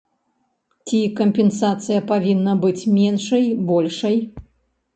Ці кампенсацыя павінна быць меншай, большай?